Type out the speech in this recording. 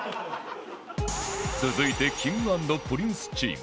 続いて Ｋｉｎｇ＆Ｐｒｉｎｃｅ チーム